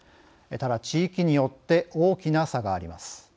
ただ、地域によって大きな差があります。